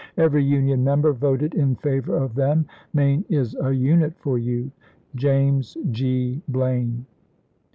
Every Union member voted in favor of them. Maine is MarM3s'864' a unit for you.— James G. Blaine."